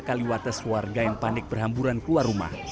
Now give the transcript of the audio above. kaliwates warga yang panik berhamburan keluar rumah